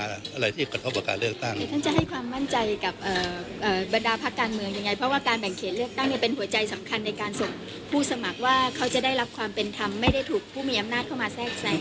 ท่านจะให้ความมั่นใจกับบรรดาภาคการเมืองยังไงเพราะว่าการแบ่งเขตเลือกตั้งจะเป็นหัวใจสำคัญในการส่งผู้สมัครว่าเขาจะได้รับความเป็นธรรมไม่ได้ถูกผู้มีอำนาจเข้ามาแทรกแทรก